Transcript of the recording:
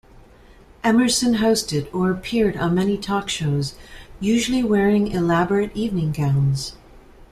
Emerson hosted or appeared on many talk shows, usually wearing elaborate evening gowns.